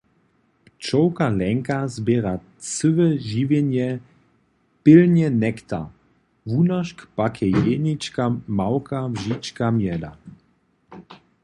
Pčołka Leńka zběra cyłe žiwjenje pilnje nektar - wunošk pak je jenička małka wžička mjeda.